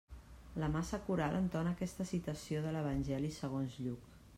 La massa coral entona aquesta citació de l'evangeli segons Lluc.